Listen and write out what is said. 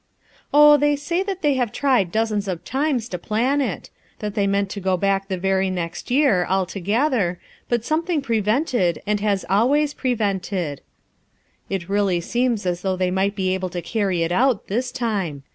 "Oh, they say that they have tried dozens of times to plan it; that they meant to go back the very next year, all together, but something pre vented, and has always prevented; it really seems as though they might be able to carry it out, this time.